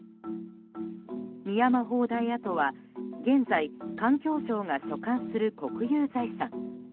深山砲台跡は現在環境省が所管する国有財産。